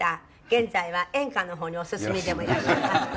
現在は演歌の方にお進みでもいらっしゃいます。